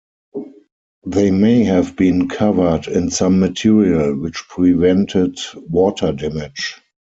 They may have been covered in some material which prevented water damage.